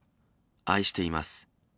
愛しています。